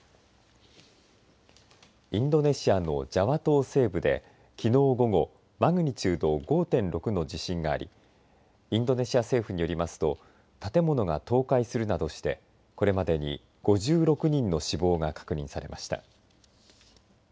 インドネシアのジャワ島西部できのう午後マグニチュード５．６の地震がありインドネシア政府によりますと建物が倒壊するなどしてこれまでに５６人の死亡が確認されました。